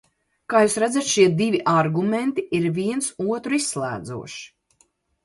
Kā jūs redzat, šie divi argumenti ir viens otru izslēdzoši.